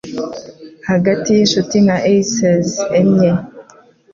Hagati yinshuti nka Aces enye